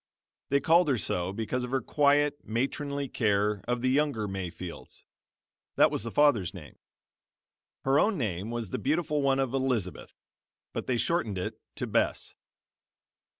They called her so because of her quiet, matronly care of the younger Mayfields that was the father's name. Her own name was the beautiful one of Elizabeth, but they shortened it to Bess.